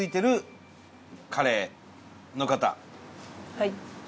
はい。